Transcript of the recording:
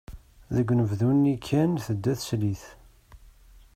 Deg unebdu-nni kan tedda d tislit.